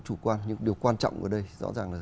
chủ quan nhưng điều quan trọng ở đây rõ ràng là